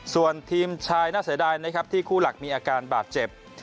ส่วนทีมชายน่าเสียดายนะครับที่คู่หลักมีอาการบาดเจ็บ